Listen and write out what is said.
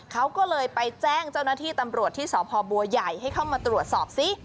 เขาก็เลยไปแจ้งเจ้าหน้าที่ตำรวจที่สพบัวใหญ่ให้เข้ามาตรวจสอบซิ